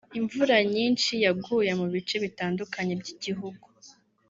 imvura nyinshi yaguye mu bice bitandukanye by’igihugu